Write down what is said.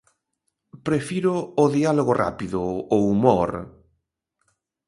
Prefiro o diálogo rápido, o humor...